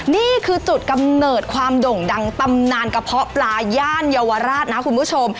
นี่คือจุดกำเนิดความโด่งดังตำนานกระเพาะปลาย่านเยาวราชนะคุณผู้ชม